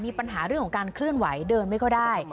มีปัญหาเรื่องของการเคลื่อนไหวเดินไม่ค่อยได้